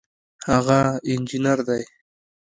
هغه انجینر دی